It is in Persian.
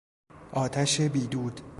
آتش بیدود